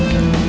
pak yaudah pak